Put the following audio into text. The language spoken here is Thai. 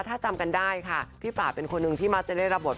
ถ้าจำกันได้ค่ะพี่ป่าเป็นคนหนึ่งที่มักจะได้รับบท